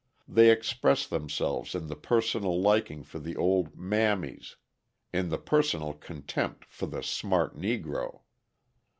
They express themselves in the personal liking for the old "mammies," in the personal contempt for the "smart Negro."